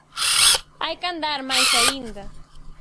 Hai que andar máis aínda.